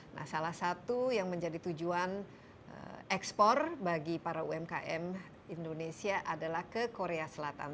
nah salah satu yang menjadi tujuan ekspor bagi para umkm indonesia adalah ke korea selatan